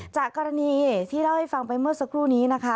จากกรณีที่เล่าให้ฟังไปเมื่อสักครู่นี้นะคะ